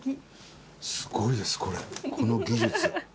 すごいですこれこの技術。